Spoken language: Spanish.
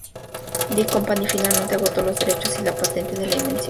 Dick Company finalmente agotó los derechos y la patente de la invención.